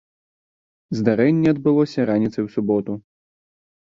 Здарэнне адбылося раніцай у суботу.